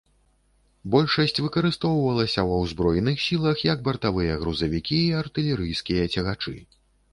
Большасць выкарыстоўваліся ва ўзброеных сілах як бартавыя грузавікі і артылерыйскія цягачы.